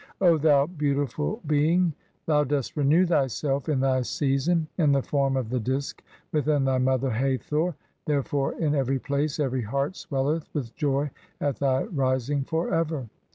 O thou beautiful Being, "thou dost renew thyself in thy season in the form of the Disk "within thy mother Hathor ; therefore in every place every heart "swelleth with joy at thy rising, for ever.